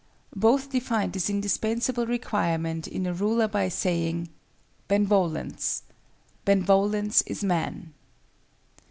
Both defined this indispensable requirement in a ruler by saying, "Benevolence—Benevolence is Man."